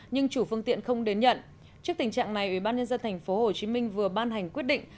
nhưng chủ phương tiện không đến nhận trước tình trạng này ủy ban nhân dân tp hcm vừa ban hành quyết định